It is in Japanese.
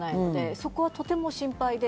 そこはとても心配です。